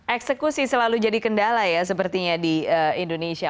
eksekusi selalu jadi kendala ya sepertinya di indonesia